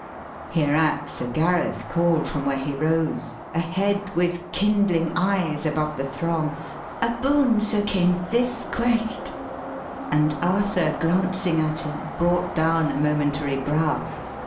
Hereat Sir Gareth call'd from where he rose, ' A head with kindling eyes above the throng, 'A boon, Sir King this quest!' And Arthur glancing at him, Brought down a momentary brow.